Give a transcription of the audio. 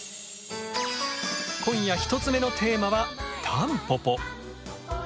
今夜１つ目のテーマはタンポポ。